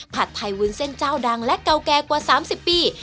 ผัดไทยวุ้นเส้นเจ้าดังและเก่าแก่กว่า๓๐ปี